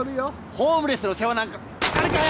ホームレスの世話なんかなるかよ！